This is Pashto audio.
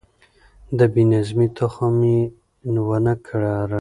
د بې نظمۍ تخم يې ونه کره.